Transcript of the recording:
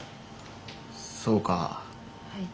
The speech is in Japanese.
そうか。